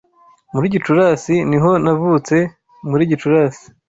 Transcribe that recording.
Muri Gicurasi niho navutse muri Gicurasi?